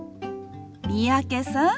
三宅さん。